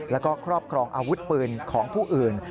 แล้วก็ครอบครองอาวุธปืนของผู้อื่น